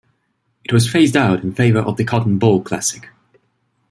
It was phased out in favor of the Cotton Bowl Classic.